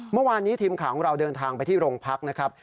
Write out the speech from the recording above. เมื่อวานนี้ทีมข่าวของเราเดินทางไปที่โรงพักนะครับ